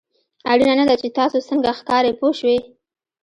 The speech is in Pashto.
اړینه نه ده چې تاسو څنګه ښکارئ پوه شوې!.